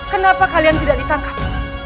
kenapa kalian tidak ditangkap